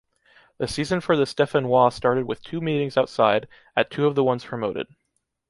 The season for the Stéphanois started with two meetings outside, at two of the ones promoted.